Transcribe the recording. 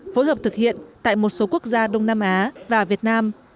phối hợp thực hiện tại một số quốc gia đông nam á và việt nam